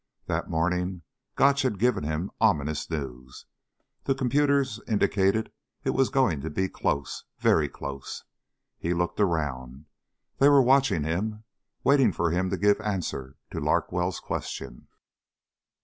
That morning Gotch had given him ominous news. The computers indicated it was going to be close. Very close. He looked around. They were watching him, waiting for him to give answer to Larkwell's question.